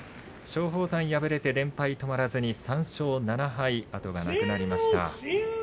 松鳳山、敗れて連敗止まらずに３勝７敗、後がなくなりました。